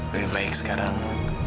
lebih baik sekarang